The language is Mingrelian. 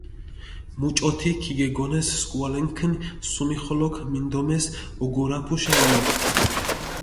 მუჭოთი ქიგეგონეს სქუალენქჷნი, სუმიხოლოქ მინდომეს ოგურაფუშა ულა.